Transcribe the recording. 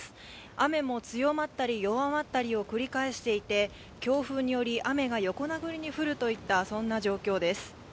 雨も強まったり弱まったりを繰り返していて強風により雨が横殴りに降るといったそんな状況です。